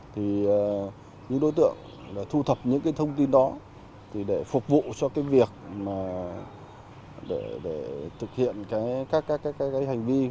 thì những đối tượng thu thập những thông tin đó để phục vụ cho việc thực hiện các hành vi